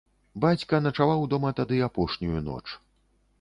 Бацька начаваў дома тады апошнюю ноч.